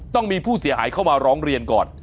ต้องมีผู้เสียหายเข้ามาร้องเรียนก่อน